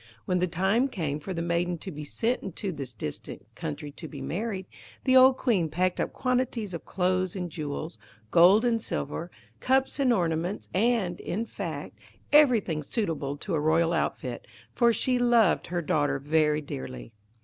When the time came for the maiden to be sent into this distant country to be married, the old Queen packed up quantities of clothes and jewels, gold and silver, cups and ornaments, and, in fact, everything suitable to a royal outfit, for she loved her daughter very dearly.